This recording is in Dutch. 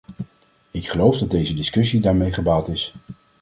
Ik geloof dat deze discussie daarmee gebaat is.